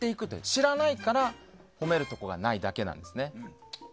知らないから褒めるところがないだけなんですね。